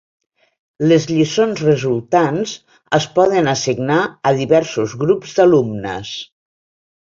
Les lliçons resultants es poden assignar a diversos grups d’alumnes.